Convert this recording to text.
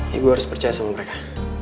ya gue harus percaya sama mereka